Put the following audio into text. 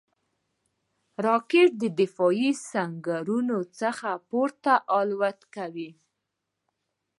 راکټ د دفاعي سنګرونو څخه پورته الوت کوي